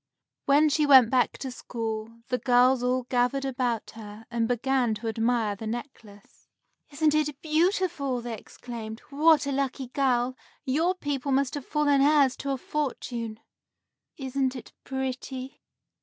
When she went back to school, the girls all gathered about her and began to admire the necklace. "Isn't it beautiful!" they exclaimed. "What a lucky girl! Your people must have fallen heirs to a fortune!" "Isn't it pretty!"